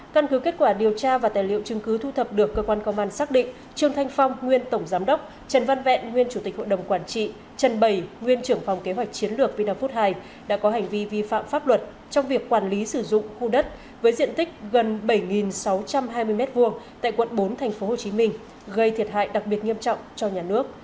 căn cứ kết quả điều tra và tài liệu chứng cứ thu thập được cơ quan công an xác định trương thanh phong nguyên tổng giám đốc trần văn vẹn nguyên chủ tịch hội đồng quản trị trần bày nguyên trưởng phòng kế hoạch chiến lược vina food hai đã có hành vi vi phạm pháp luật trong việc quản lý sử dụng khu đất với diện tích gần bảy sáu trăm hai mươi m hai tại quận bốn tp hcm gây thiệt hại đặc biệt nghiêm trọng cho nhà nước